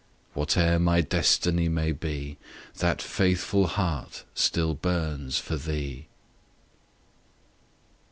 Whate'er my destiny may be, That faithful heart still burns for thee!